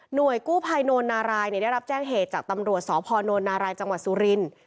โดยกู้ภัยโนนารายได้รับแจ้งเหตุจากตำรวจสพนนารายจังหวัดสุรินทร์